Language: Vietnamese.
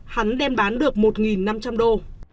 hắn đem bán được một năm trăm linh đô